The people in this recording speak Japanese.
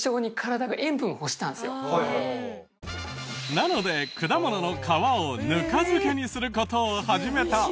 なので果物の皮をぬか漬けにする事を始めた。